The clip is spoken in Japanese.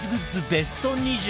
ベスト２０